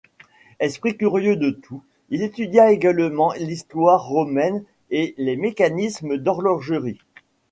Esprit curieux de tout, il étudia également l’histoire romaine et les mécanismes d’horlogerie.